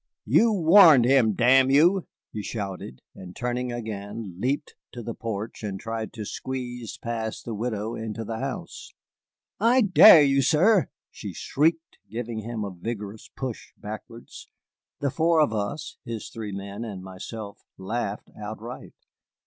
"You warned him, damn you!" he shouted, and turning again leaped to the porch and tried to squeeze past the widow into the house. "How dare you, sir?" she shrieked, giving him a vigorous push backwards. The four of us, his three men and myself, laughed outright.